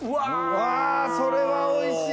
わそれはおいしい！